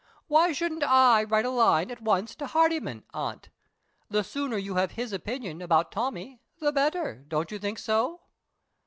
"Why shouldn't I write a line at once to Hardyman, aunt? The sooner you have his opinion about Tommie the better don't you think so?"